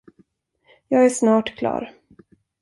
Jag är snart klar.